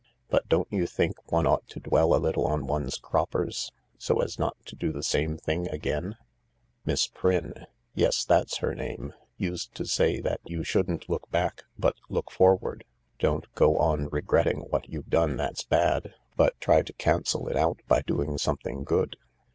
But don't you think one ought to dwell a little on one's croppers, so as not to do the same thing again ?"" Miss Prynne — yes, that's her name — used to say that you shouldn't look back, but look forward. Don't go on regretting what you've done that's bad, but try to cancel it out by doing something good.